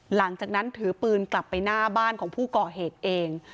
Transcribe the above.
หลังจากนั้นถือปืนกลับไปหน้าบ้านของผู้ก่อเหตุเอง